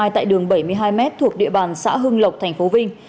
tại đường bảy mươi hai m thuộc địa bàn xã hưng lộc tp vinh